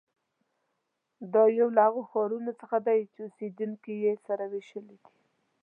دا یو له هغو ښارونو څخه دی چې اوسېدونکي یې سره وېشلي دي.